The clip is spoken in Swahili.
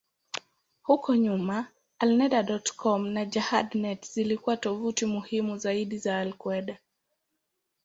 Huko nyuma, Alneda.com na Jehad.net zilikuwa tovuti muhimu zaidi za al-Qaeda.